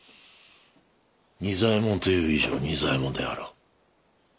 仁左衛門という以上仁左衛門であろう。